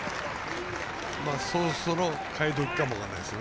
そろそろ代えどきかも分からないですね。